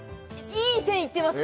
いい線いってます